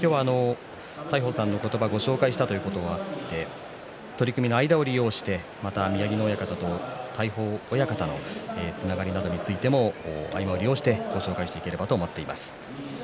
大鵬さんの言葉をご紹介したということもあって取組の間を利用してまた宮城野親方と大鵬親方のつながりなどについてもご紹介していただこうと思っています。